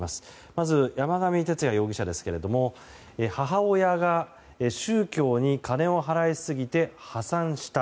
まず、山上徹也容疑者ですが母親が宗教に金を払いすぎて破産した。